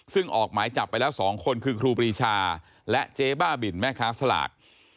ซึ่งออกหมายจับไปแล้ว๒คนคือครูปรีชาและเจ๊บ้าบินแม่ค้าสลาก